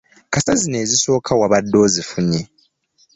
Kasita zino ezisooka wabadde ozifunye.